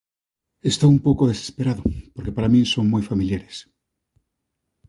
Estou un pouco desesperado, porque para min son moi familiares.